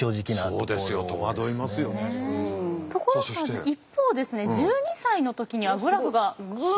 ところが一方ですね１２歳の時にはグラフがグッと。